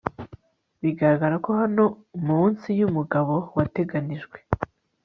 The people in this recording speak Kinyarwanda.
bigaragara ko hano munsi yumugabo wateganijwe